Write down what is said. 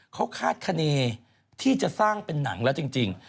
เขาคาดคณีที่จะสร้างเป็นหนังแล้วจริง